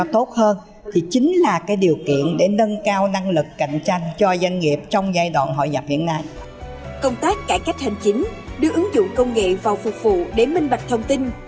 tướng dụng công nghệ vào phục vụ để minh bạch thông tin